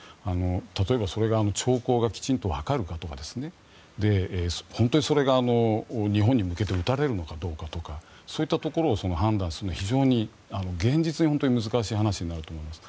例えば、それが兆候がきちんとわかるかとか本当にそれが日本に向けて撃たれるのかどうかとかそういったところを判断するのは非常に現実に難しい話になると思います。